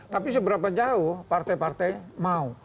tapi seberapa jauh partai partai mau